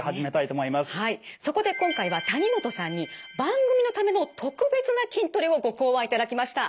そこで今回は谷本さんに番組のための特別な筋トレをご考案いただきました。